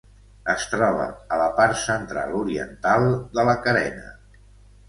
Es troba a la part central-oriental de la carena.